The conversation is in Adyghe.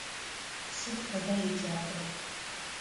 Сыд фэда еджапӏэр?